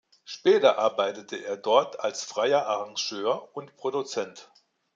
Später arbeitete er dort als freier Arrangeur und Produzent.